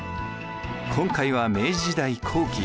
今回は明治時代後期。